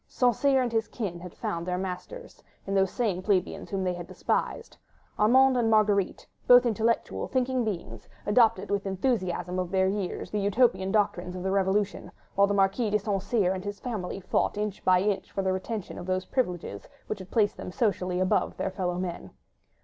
St. Cyr and his kind had found their masters, in those same plebeians whom they had despised. Armand and Marguerite, both intellectual, thinking beings, adopted with the enthusiasm of their years the Utopian doctrines of the Revolution, while the Marquis de St. Cyr and his family fought inch by inch for the retention of those privileges which had placed them socially above their fellow men.